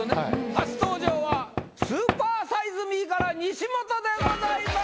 初登場はスーパーサイズ・ミーから西本でございます。